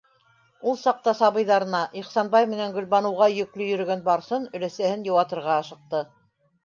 Ул саҡта сабыйҙарына, Ихсанбай менән Гөлбаныуға, йөклө йөрөгән Барсын өләсәһен йыуатырға ашыҡты: